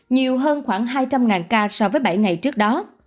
nhiều hơn khoảng hai trăm linh ca so với bảy ngày trước đó